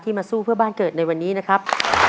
มาสู้เพื่อบ้านเกิดในวันนี้นะครับ